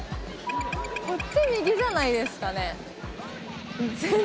こっち右じゃないですかね。